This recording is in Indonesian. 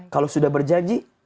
kalau sudah berjanji